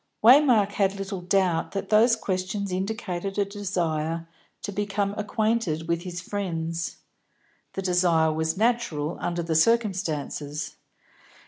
Waymark had little doubt that those questions indicated a desire to become acquainted with his friends; the desire was natural, under the circumstances.